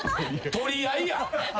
取り合いや。